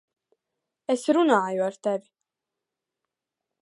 Es runāju ar tevi!